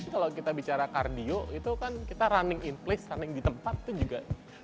kalau kita bicara kardio itu kan kita running in place running di tempat itu juga